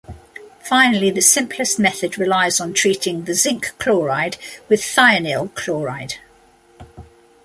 Finally, the simplest method relies on treating the zinc chloride with thionyl chloride.